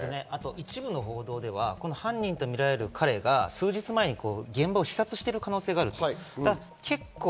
一部の報道では犯人とみられる彼が数日前に現場を視察している可能性がある。